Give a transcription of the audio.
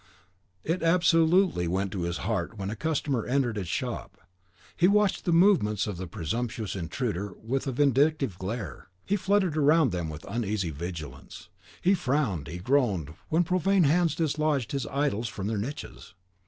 It absolutely went to his heart when a customer entered his shop: he watched the movements of the presumptuous intruder with a vindictive glare; he fluttered around him with uneasy vigilance, he frowned, he groaned, when profane hands dislodged his idols from their niches.